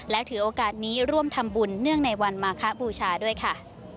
และถือโอกาสนี้ร่วมทำบุญเนื่องในวันมาคบูชาด้วยค่ะ